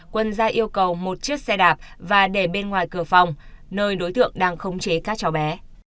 quân ra yêu cầu một chiếc xe đạp và để bên ngoài cửa phòng nơi đối tượng đang khống chế các cháu bé